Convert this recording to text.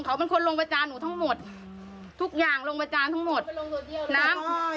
เขาเป็นคนลงประจานหนูทั้งหมดทุกอย่างลงประจานทั้งหมดน้ำอ้อย